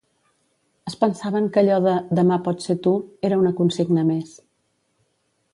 Es pensaven que allò de “demà pots ser tu” era una consigna més.